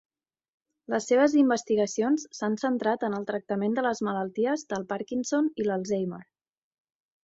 Les seves investigacions s'han centrat en el tractament de les malalties del Parkinson i l'Alzheimer.